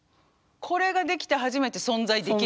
これができて初めて存在できると。